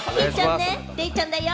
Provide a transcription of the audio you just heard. デイちゃんだよ！